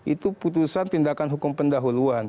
itu putusan tindakan hukum pendahuluan